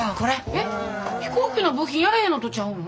えっ飛行機の部品やらへんのとちゃうの？